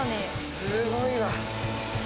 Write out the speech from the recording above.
すごいわ。